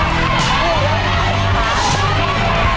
ข่าว